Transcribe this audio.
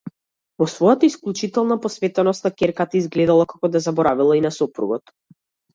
Во својата исклучителна посветеност на ќерката изгледало како да заборавила и на сопругот.